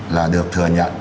là được thừa nhận